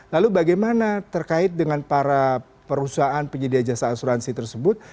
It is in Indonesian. lalu bagaimana terkait dengan para perusahaan penyedia jasa asuransi tersebut